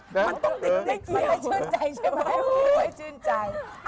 ไม่ชื่นใจ